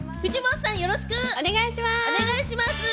藤本さん、よろしくお願いします！